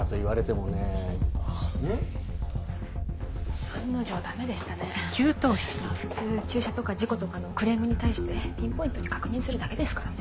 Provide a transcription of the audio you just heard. まぁ普通駐車とか事故とかのクレームに対してピンポイントに確認するだけですからね。